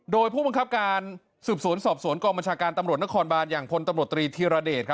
โดยผู้บังคับการสืบสวนสอบสวนกองบัญชาการตำรวจนครบานอย่างพลตำรวจตรีธีรเดช